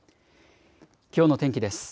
きょうの天気です。